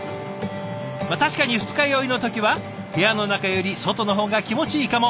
まっ確かに二日酔いの時は部屋の中より外の方が気持ちいいかも。